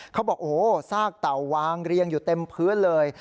เขาบอกโอ้โหซากเต่าวางเรียงอยู่เต็มพื้นเลย